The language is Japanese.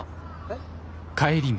えっ？